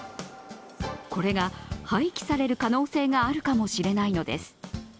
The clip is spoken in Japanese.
これが廃棄される可能性があるかもしれないのです。